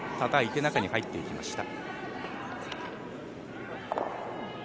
たたいて、中に入っていきました。